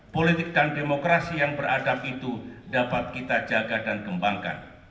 politik dan demokrasi yang beradab itu dapat kita jaga dan kembangkan